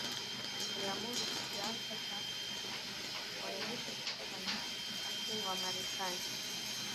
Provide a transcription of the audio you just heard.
aliamuru kiasi cha wanajeshi mia saba na hamsini wa Marekani